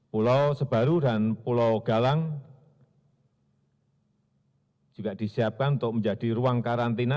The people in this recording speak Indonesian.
pulau sebaru dan pulau galang juga disiapkan untuk menjadi ruang karantina